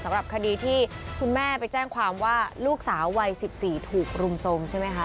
สำหรับคดีที่คุณแม่ไปแจ้งความว่าลูกสาววัย๑๔ถูกรุมทรงใช่ไหมคะ